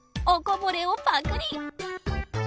おこぼれをパクリ。